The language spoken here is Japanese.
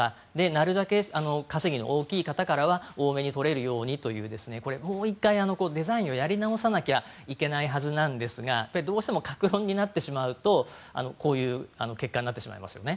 なるたけ稼ぎの大きい方からは多めにとれるようにというこれ、もう１回デザインをやり直さなきゃいけないはずなんですがどうしても各論になってしまうとこういう結果になってしまいますね。